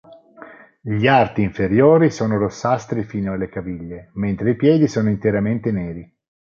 Gli arti inferiori sono rossastri fino alle caviglie, mentre i piedi sono interamente neri.